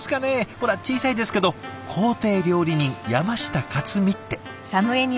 ほら小さいですけど「公邸料理人山下勝己」って。